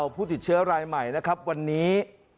ผู้ติดเชื้อรายใหม่วันนี้